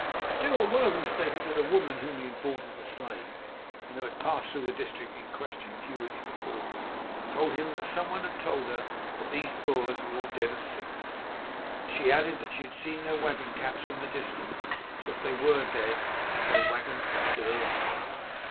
Still, one of them stated that a woman whom he had bought as a slave, and who had passed through the district in question a few weeks before, told him that someone had told her that these Boers were all dead of sickness. She added that she had seen their wagon caps from a distance, so, if they were dead, "their wagons were still alive."